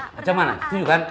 macam mana setuju kan